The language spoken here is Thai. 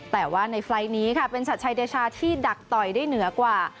แต่ว่าในไฟล์นี้ค่ะเป็นชัดชัยเดชาที่ดักต่อยได้เหนือกว่า